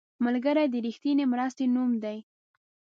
ملګری د رښتینې مرستې نوم دی